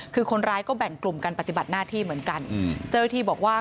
คือคนร้ายก็แบ่งกลุ่มกันปฏิบัติหน้าที่เหมือนกันเจ้าหน้าที่บอกว่า